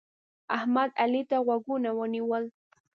احمد؛ علي ته غوږونه ونیول.